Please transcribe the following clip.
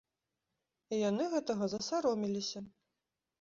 І яны гэтага засаромеліся!